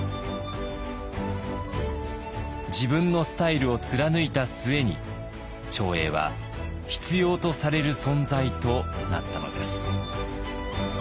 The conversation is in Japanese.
自分のスタイルを貫いた末に長英は必要とされる存在となったのです。